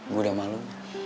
gue udah malu